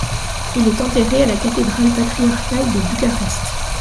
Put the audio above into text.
Il est enterré à la cathédrale patriarcale de Bucarest.